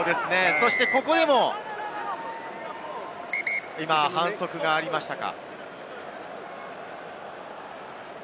ここでも今、反則がありましたか？